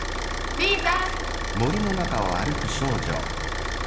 リーザ！